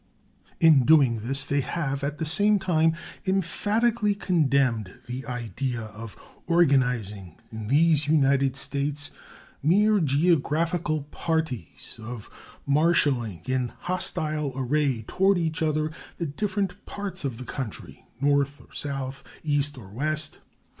In doing this they have at the same time emphatically condemned the idea of organizing in these United States mere geographical parties, of marshaling in hostile array toward each other the different parts of the country, North or South, East or West.